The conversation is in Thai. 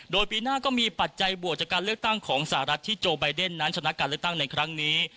โดยปีหน้าก็มีปัจจัยบวกจากการเลือกตั้งของสหรัฐที่โจไบเดนนั้นชนะการเลือกตั้งในครั้งนี้